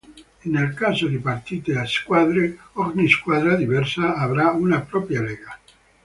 Nel caso di partite a squadre, ogni squadra diversa avrà una propria lega.